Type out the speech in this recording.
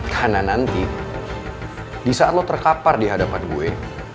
karena nanti disaat lo terkapar di hadapan gue